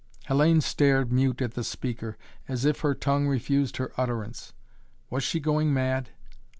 Hellayne stared mute at the speaker, as if her tongue refused her utterance. Was she going mad?